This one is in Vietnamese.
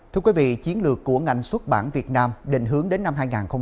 thưa quý vị chiến lược của ngành xuất bản việt nam định hướng đến năm hai nghìn ba mươi